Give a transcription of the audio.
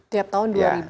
tiap tahun dua